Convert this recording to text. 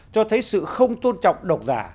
cho thấy sự không tôn trọng độc giả